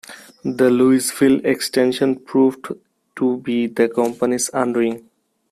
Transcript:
The Louisville extension proved to be the company's undoing.